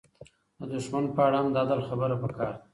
د دښمن په اړه هم د عدل خبره پکار ده.